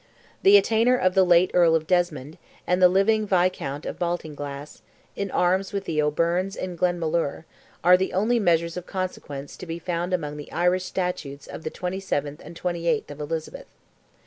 The attainder of the late Earl of Desmond, and the living Viscount of Baltinglass, in arms with the O'Byrnes in Glenmalure, are the only measures of consequence to be found among the Irish statutes of the 27th and 28th of Elizabeth.